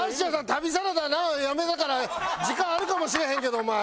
『旅サラダ』なやめたから時間あるかもしれへんけどお前。